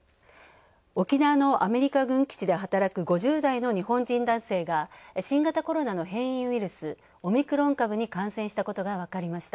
沖縄のアメリカ軍基地で働く５０代の日本人男性が新型コロナの変異ウイルス、オミクロン株に感染したことが分かりました。